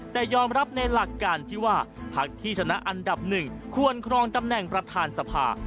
แต่ยอมรับในหลักการที่ว่าพักที่ชนะอันดับหนึ่งควรครองตำแหน่งประธานสภา